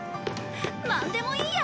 なんでもいいや！